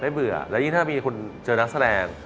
ไม่เบื่อและยิ่งถ้ามีคุณเจอนักแสดง